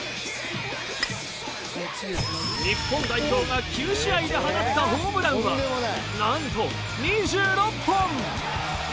日本代表が９試合で放ったホームランはなんと２６本。